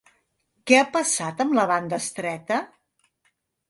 Què ha passat amb la banda estreta?